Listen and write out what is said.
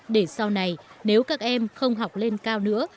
để sau này nếu các em không học lên cao nữa